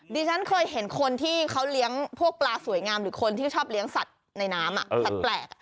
ดิฉันเคยเห็นคนที่เขาเลี้ยงพวกปลาสวยงามหรือคนที่ชอบเลี้ยงสัตว์ในน้ำสัตว์แปลก